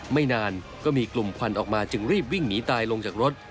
ไม่นานก็มีกลุ่มควันออกมาจึงรีบวิ่งหนีตายลงจากรถ